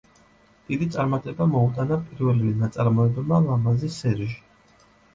დიდი წარმატება მოუტანა პირველივე ნაწარმოებმა „ლამაზი სერჟი“.